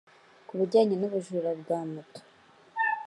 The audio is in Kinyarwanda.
Ku bijyanye n’ubujura bwa moto